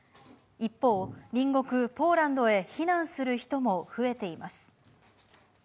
一方、隣国ポーランドへ避難する人も増えています。